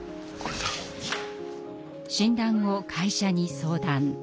診断後会社に相談。